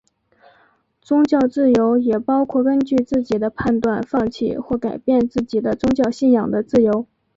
宗教自由也包括根据自己的判断放弃或改变自己的宗教信仰的自由。